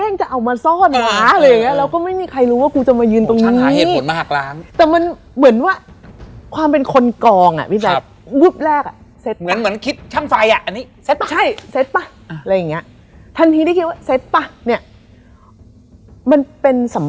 นี่ดิวอ่ะพอนังออกน่ะ